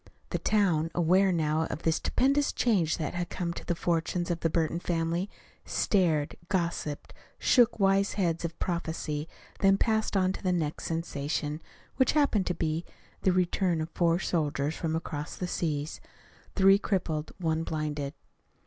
The town, aware now of the stupendous change that had come to the fortunes of the Burton family, stared, gossiped, shook wise heads of prophecy, then passed on to the next sensation which happened to be the return of four soldiers from across the seas; three crippled, one blinded.